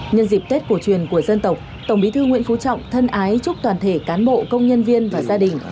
nhân dịp tết cổ truyền của dân tộc tổng bí thư nguyễn phú trọng thân ái chúc toàn thể cán bộ công nhân viên và gia đình